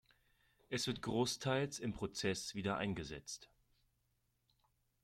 Es wird großteils im Prozess wieder eingesetzt.